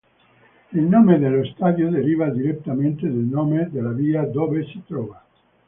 Il nome dello stadio deriva direttamente dal nome della via dove si trova.